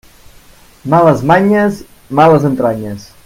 Males manyes, males entranyes.